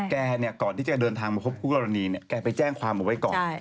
แกก่อนที่จะเดินทางมาพบพวกเราแบบนี้แกไปแจ้งความเอาไว้ก่อน